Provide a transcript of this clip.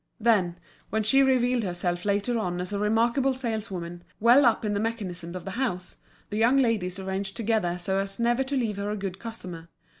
Then, when she revealed herself later on as a remarkable saleswoman, well up in the mechanism of the house, the young ladies arranged together so as never to leave her a good customer.